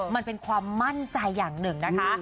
มันเป็นความมั่นใจอย่างหนึ่งนะคะ